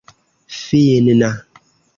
finna